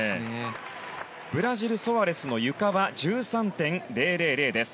ブラジル、ソアレスのゆかは１３．０００です。